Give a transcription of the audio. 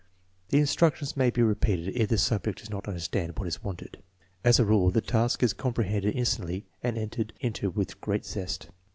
" The instructions may be repeated if the subject does not understand what is wanted. As a rule the task is com prehended instantly and entered into with great zest.